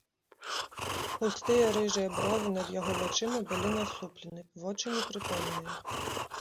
Густыя рыжыя бровы над яго вачыма былі насуплены, вочы непрытомныя.